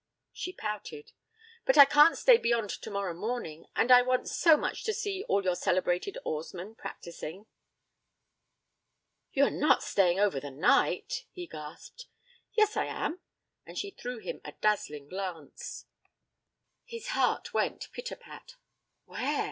She pouted. 'But I can't stay beyond tomorrow morning, and I want so much to see all your celebrated oarsmen practising.' 'You are not staying over the night?' he gasped. 'Yes, I am,' and she threw him a dazzling glance. His heart went pit a pat. 'Where?'